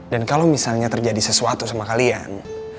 kalau misalnya terjadi sesuatu sama kalian